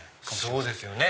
そうですよね。